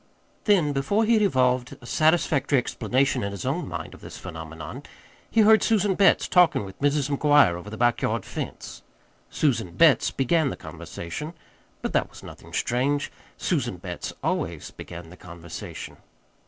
Then, before he had evolved a satisfactory explanation in his own mind of this phenomenon, he heard Susan Betts talking with Mrs. McGuire over the back yard fence. Susan Betts began the conversation. But that was nothing strange: Susan Betts always began the conversation.